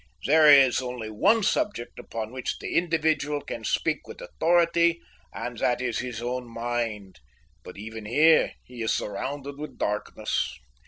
There is only one subject upon which the individual can speak with authority, and that is his own mind, but even here he is surrounded with darkness.